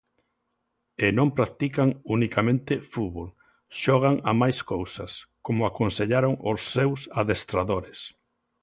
E non practican unicamente fútbol, xogan a máis cousas, como aconsellaron os seus adestradores.